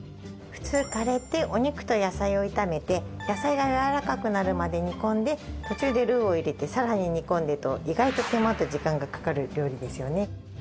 普通カレーってお肉と野菜を炒めて野菜がやわらかくなるまで煮込んで途中でルウを入れてさらに煮込んでと意外と手間と時間がかかる料理ですよね。